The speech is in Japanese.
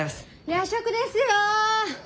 夜食ですよ！